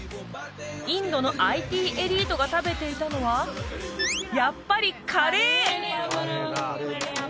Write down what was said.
インドのＩＴエリートが食べていたのはやっぱりカレー！